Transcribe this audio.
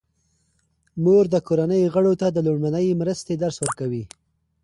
مور د کورنۍ غړو ته د لومړنۍ مرستې درس ورکوي.